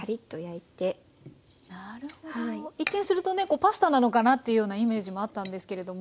一見するとねパスタなのかなっていうようなイメージもあったんですけれども。